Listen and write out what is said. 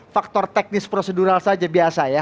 faktor teknis prosedural saja biasa ya